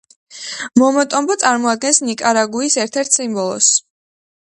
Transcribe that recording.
მომოტომბო წარმოადგენს ნიკარაგუის ერთ-ერთ სიმბოლოს.